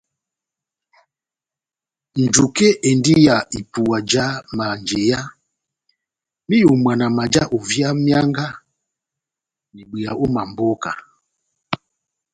Njuke endi ya ipuwa já manjeya m'iyomwana maja ovia mianga n'ibweya ó mamboka.